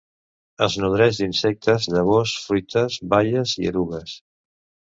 Es nodreix d'insectes, llavors, fruites, baies i erugues.